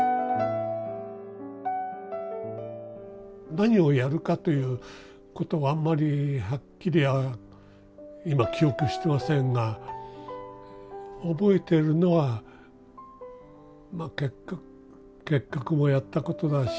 何をやるかということはあんまりはっきりは今記憶してませんが覚えてるのはまあ結核もやったことだし